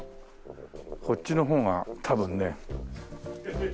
こっちの方が多分ね。